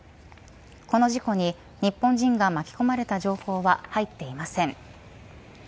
この事故に日本人が巻き込まれた情報は入っていません。